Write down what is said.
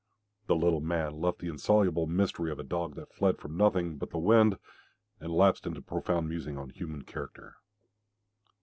The little man left the insoluble mystery of a dog that fled from nothing but the wind, and lapsed into profound musings on human character.